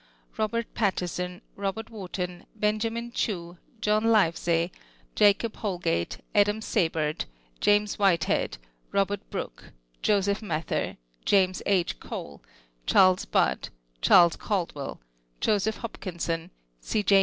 Jlobert Patterson, ^ IJoIiert Wliarton, Benjamin Cliew, John Live/.ey, Jacob Holg'ate, Adam Seybert, Ja. Whitehead, Hob. IJrooke, Joseph Mather, James 11. Cole, (Jharles Hudd, Ch. Caldwtll, Josepii Hnpkinson, C. J.